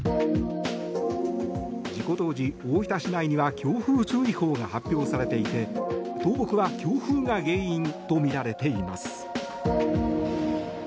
事故当時、大分市内には強風注意報が発表されていて倒木は強風が原因とみられています。